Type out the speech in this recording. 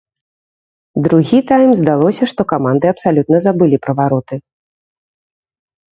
Другі тайм здалося, што каманды абсалютна забылі пра вароты.